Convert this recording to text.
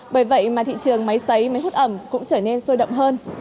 bởi vậy mà thị trường máy xấy máy hút ẩm cũng trở nên sôi động hơn